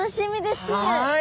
はい。